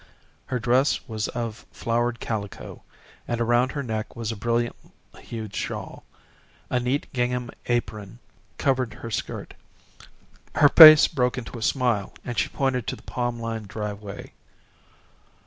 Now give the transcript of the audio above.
Her dress was of flowered calico, and around her neck was a brilliant hued shawl. A neat gingham apron covered her skirt. Her face broke into a smile, and she pointed to the palm lined driveway.